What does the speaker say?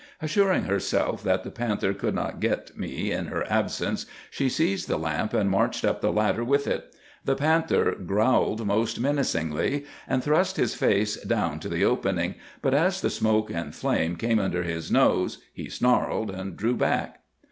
"Assuring herself that the panther could not get me in her absence, she seized the lamp and marched up the ladder with it. The panther growled most menacingly, and thrust his face down to the opening; but as the smoke and flame came under his nose, he snarled and drew back.